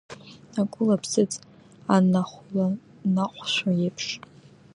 Акәыла аԥсыӡ анахәланаҟәшәо еиԥш.